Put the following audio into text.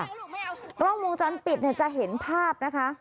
กล้องวงจรปิดจะเห็นภาพนะคะ